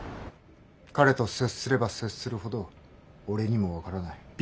彼と接すれば接するほど俺にも分からない。